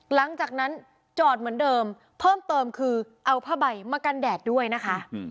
หลังจากนั้นจอดเหมือนเดิมเพิ่มเติมคือเอาผ้าใบมากันแดดด้วยนะคะ